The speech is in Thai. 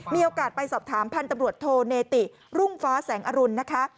มีโอกาสไปสอบถามพันธุ์ตำรวจโทเนติรุ่งฟ้าแสงอรุณนะคะ